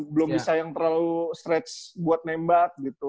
belum bisa yang terlalu stretch buat nembak gitu